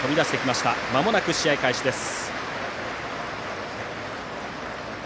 まもなく試合開始です。